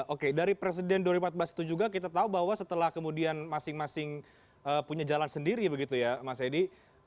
oke dari presiden dua ribu empat belas itu juga kita tahu bahwa setelah kemudian masing masing punya jalan sendiri begitu ya mas edi